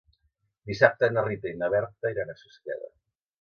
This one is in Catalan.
Dissabte na Rita i na Berta iran a Susqueda.